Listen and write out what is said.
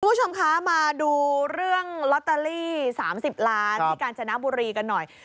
คุณผู้ชมคะมาดูเรื่องลอตเตอรี่๓๐ล้านที่กาญจนบุรีกันหน่อย